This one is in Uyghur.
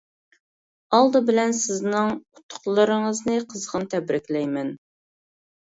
ئالدى بىلەن سىزنىڭ ئۇتۇقلىرىڭىزنى قىزغىن تەبرىكلەيمەن!